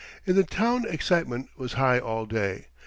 In the town excitement was high all day.